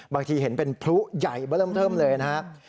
เห็นเป็นพลุใหญ่เบอร์เริ่มเทิมเลยนะครับ